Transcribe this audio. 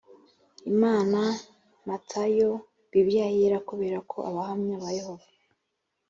imana matayo bibiliya yera kubera ko abahamya ba yehova